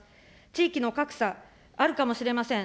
地域の格差あるかもしれません。